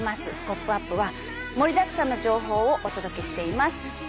『ポップＵＰ！』は盛りだくさんの情報をお届けしています。